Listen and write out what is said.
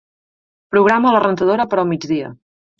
Programa la rentadora per al migdia.